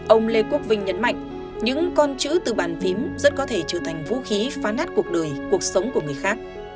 ông lê quốc vinh nhấn mạnh những con chữ từ bàn phím rất có thể trở thành vũ khí phán nát cuộc đời cuộc sống của người khác